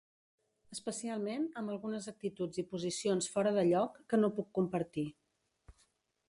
Especialment amb algunes actituds i posicions fora de lloc, que no puc compartir.